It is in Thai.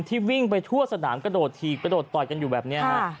วิ่งไปทั่วสนามกระโดดถีบกระโดดต่อยกันอยู่แบบนี้ฮะ